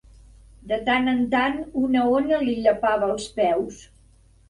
De tant en tant una ona li llepava els peus.